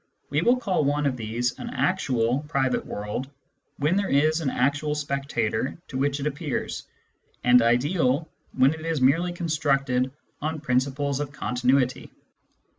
We will call one of these an " actual " private world when there is an actual spectator to which it appears, and "ideal" when it is merely constructed on principles of continuity.